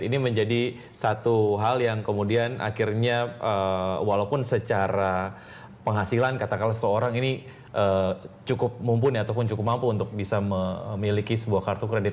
ini menjadi satu hal yang kemudian akhirnya walaupun secara penghasilan katakanlah seorang ini cukup mumpuni ataupun cukup mampu untuk bisa memiliki sebuah kartu kredit